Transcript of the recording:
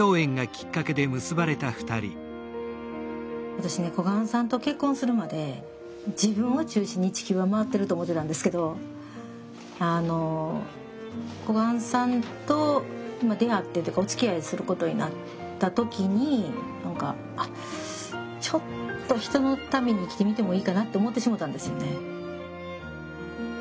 私ね小雁さんと結婚するまで自分を中心に地球は回ってると思ってたんですけどあの小雁さんと出会ってというかおつきあいすることになった時に何か「あっちょっと人のために生きてみてもいいかな」って思ってしもたんですよね。